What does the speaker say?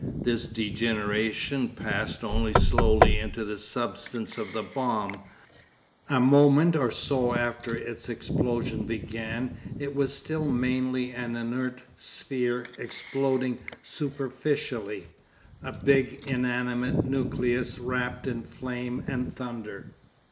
This degeneration passed only slowly into the substance of the bomb. A moment or so after its explosion began it was still mainly an inert sphere exploding superficially, a big, inanimate nucleus wrapped in flame and thunder.